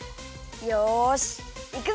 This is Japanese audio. よしいくぞ！